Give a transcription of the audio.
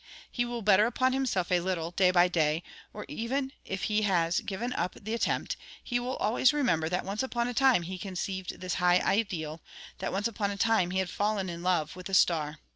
He will better upon himself a little day by day; or even if he has given up the attempt, he will always remember that once upon a time he had conceived this high ideal, that once upon a time he had fallen in love with a star.